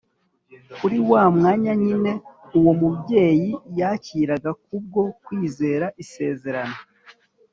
. Kuri wa mwanya nyine uwo mubyeyi yakiraga kubwo kwizera isezerano